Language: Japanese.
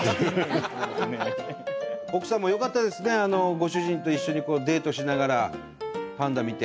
奥さんもよかったですねご主人と一緒にデートしながらパンダ見て。